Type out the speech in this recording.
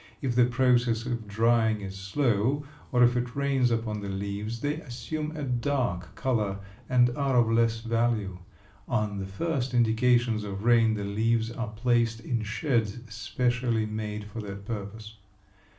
If the process of drying is slow or if it rains upon the leaves they assume a dark color and are of less value. On the first indications of rain the leaves are placed in sheds specially made for that purpose.